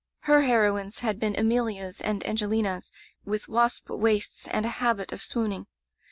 Her heroines had been Amelias and Angel inas, with wasp waists and a habit of swoon ing.